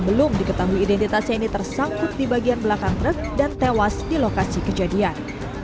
belum diketahui identitasnya ini tersangkut di bagian belakang truk dan tewas di lokasi kejadian